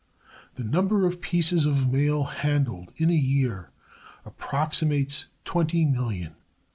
The number of pieces of mail handled in a year approximates twenty million.